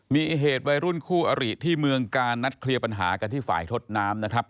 มีเหตุวัยรุ่นคู่อริที่เมืองกาลนัดเคลียร์ปัญหากันที่ฝ่ายทดน้ำนะครับ